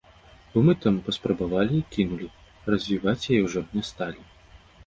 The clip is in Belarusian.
Бо мы тэму паспрабавалі, і кінулі, развіваць яе ўжо не сталі.